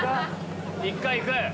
１回行く。